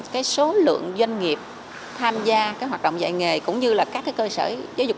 cái số lượng doanh nghiệp tham gia cái hoạt động dạy nghề cũng như là các cơ sở giáo dục